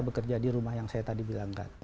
bekerja di rumah yang saya tadi bilangkan